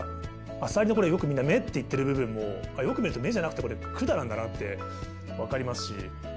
アサリのよくみんな目っていってる部分もよく見ると目じゃなくてこれ管なんだなって分かりますし。